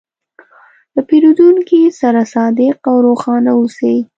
له پیرودونکي سره صادق او روښانه اوسې.